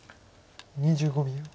２５秒。